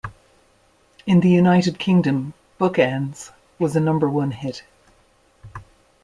In the United Kingdom, "Bookends" was a number one hit.